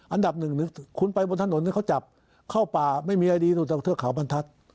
อันดับหนึ่งคุณไปบนถนนเขาจับเข้าป่าไม่มีอะไรดีนอกจากเทือกเขาบรรทัศน์